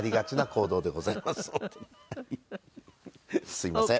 すいません。